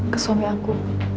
ke suami aku